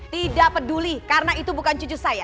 tidak peduli karena itu bukan cucu saya